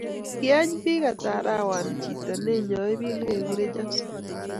Kieny biik hata arawani chito neinyoi biik negeguren Jackson